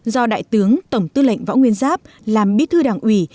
do đại tướng tổng tư lệnh võ nguyên giáp làm bí thư đảng ủy